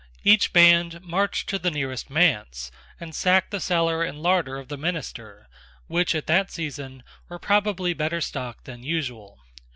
Each band marched to the nearest manse, and sacked the cellar and larder of the minister, which at that season were probably better stocked than usual.